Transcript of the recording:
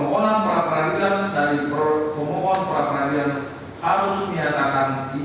harus dinyatakan tidak dapat diterima